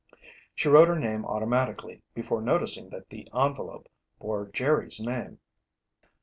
She wrote her name automatically, before noticing that the envelope bore Jerry's name.